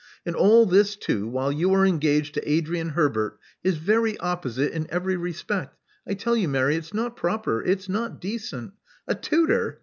And all this too while you are engaged to Adrian Herbert, his very opposite in every respect. I tell you, Mary, it's not proper: it's not decent. A tutor!